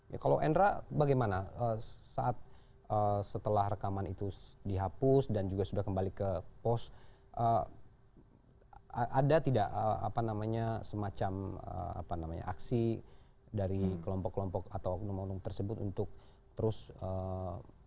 ya kalau endra bagaimana saat setelah rekaman itu dihapus dan juga sudah kembali ke pos ada tidak apa namanya semacam aksi dari kelompok kelompok atau oknum oknum tersebut untuk terus